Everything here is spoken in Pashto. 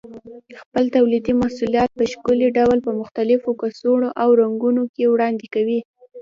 خپل تولیدي محصولات په ښکلي ډول په مختلفو کڅوړو او رنګونو کې وړاندې کوي.